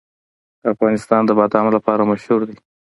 افغانستان د بادام لپاره مشهور دی.